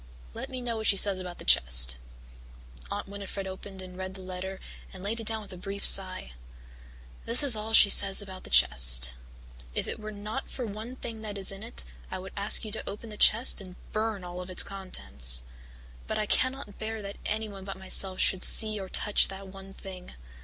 Let me know what she says about the chest." Aunt Winnifred opened and read the letter and laid it down with a brief sigh. "This is all she says about the chest. 'If it were not for one thing that is in it, I would ask you to open the chest and burn all its contents. But I cannot bear that anyone but myself should see or touch that one thing.